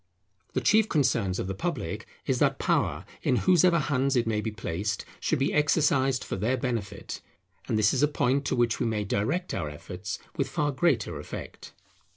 The chief concern of the public is that power, in whosever hands it may be placed, should be exercised for their benefit; and this is a point to which we may direct our efforts with far greater effect.